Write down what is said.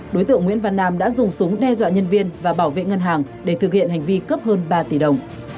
đối tượng nguyễn văn nam đã dùng súng đe dọa nhân viên và bảo vệ ngân hàng để thực hiện hành vi cướp hơn ba tỷ đồng